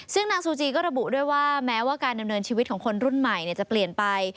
ซึ่งนางซูจีก็ระบุด้วยว่าแม้ว่าการดำเนินชีวิตของคนรุ่นใหม่จะเปลี่ยนไป